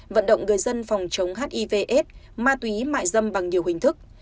vận động người dân phòng chống hiv s ma túy mại dâm bằng nhiều hình thức